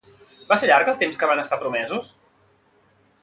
Va ser llarg el temps que van estar promesos?